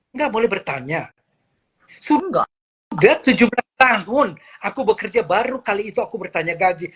nggak boleh bertanya udah tujuh belas tahun aku bekerja baru kali itu aku bertanya gaji